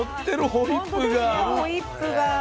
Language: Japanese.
ホイップが。